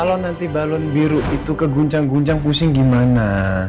kalau nanti balon biru itu keguncang guncang pusing gimana